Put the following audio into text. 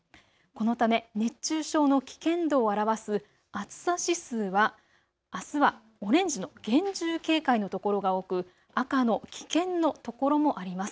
このため熱中症の危険度を表す暑さ指数はあすはオレンジの厳重警戒のところが多く赤の危険のところもあります。